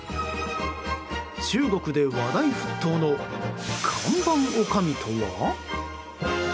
中国で話題沸騰の看板おかみとは？